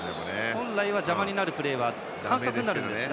本来は邪魔になるプレーは反則になるんですが。